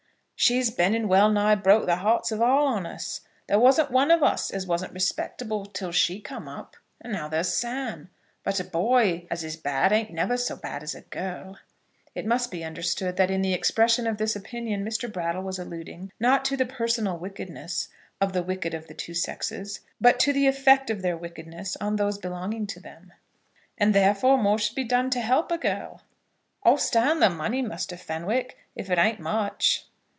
"She's been and well nigh broke the hearts of all on us. There wasn't one of us as wasn't respectable, till she come up; and now there's Sam. But a boy as is bad ain't never so bad as a girl." It must be understood that in the expression of this opinion Mr. Brattle was alluding, not to the personal wickedness of the wicked of the two sexes, but to the effect of their wickedness on those belonging to them. "And therefore more should be done to help a girl." "I'll stand the money, Muster Fenwick, if it ain't much."